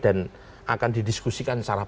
dan akan didiskusikan secara